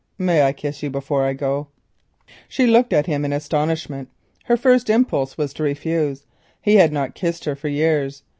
"May I kiss you before I go?" She looked at him in astonishment. Her first impulse was to refuse. He had not kissed her for years.